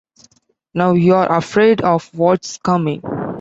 Now you are afraid of what's coming.